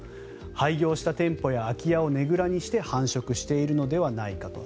廃業した店舗や空き家をねぐらにして繁殖しているのではないかと。